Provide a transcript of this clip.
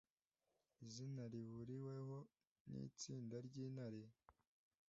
Izina Rihuriweho Nitsinda Ryintare